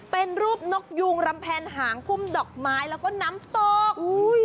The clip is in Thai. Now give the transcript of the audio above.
เป็นรูปนกยูงรำแพนหางพุ่มดอกไม้แล้วก็น้ำตก